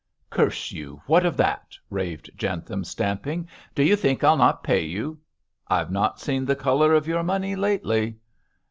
'Curse you, what of that?' raved Jentham, stamping. 'Do you think I'll not pay you?' 'I've not seen the colour of your money lately.'